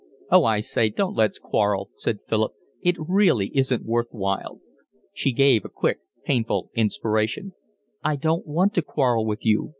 "Oh, I say, don't let's quarrel," said Philip. "It really isn't worth while." She gave a quick, painful inspiration. "I don't want to quarrel with you.